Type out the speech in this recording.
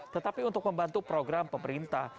tetapi untuk membantu program pemerintah